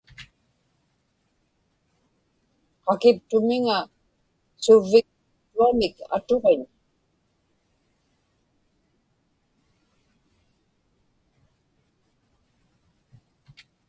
qakiptumiŋa suvvigmiittuamik atuġiñ